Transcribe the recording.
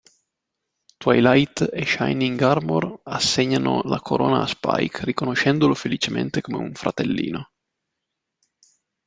Twilight e Shining Armor assegnano la corona a Spike, riconoscendolo felicemente come un fratellino.